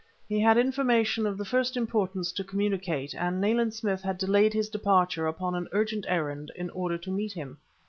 He had information of the first importance to communicate, and Nayland Smith had delayed his departure upon an urgent errand in order to meet him.